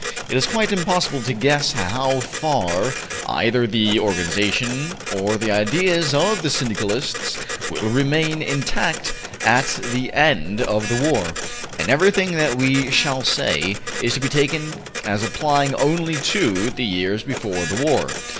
'' It is quite impossible to guess how far either the organization or the ideas of the Syndicalists will remain intact at the end of the war, and everything that we shall say is to be taken as applying only to the years before the war.